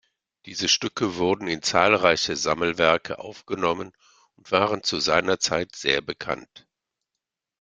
Diese Stücke wurden in zahlreiche Sammelwerke aufgenommen und waren zu seiner Zeit sehr bekannt.